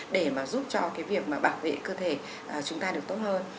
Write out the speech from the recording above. để mà giúp cho cái việc mà bảo vệ cơ thể chúng ta được tốt hơn